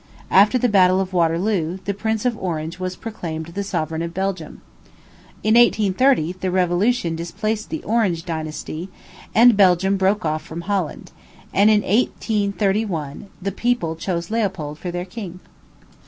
After the battle of Waterloo, the Prince of Orange was proclaimed sovereign of Belgium. In 1830, the revolution displaced the Orange dynasty, and Belgium broke off from Holland; and in 1831, the people chose Leopold for their king.